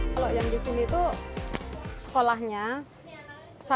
kalau yang di sini itu sekolahnya